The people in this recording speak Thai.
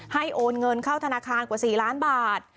โอนเงินเข้าธนาคารกว่า๔ล้านบาท